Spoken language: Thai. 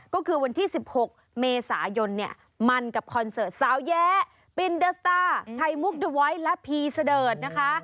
ก็คือวันที่๑๖เมษายนเนี่ยมันกับคอนเสิร์ตสาวแย้ปินเดอร์สตาร์ไทยมุกเดอร์ไวท์และพีเสดิร์ดนะคะ